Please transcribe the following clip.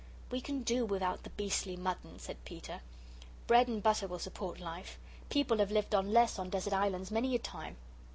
"We can do without the beastly mutton," said Peter; "bread and butter will support life. People have lived on less on desert islands many a time."